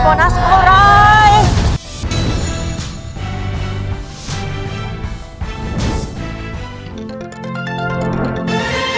สวัสดีครับ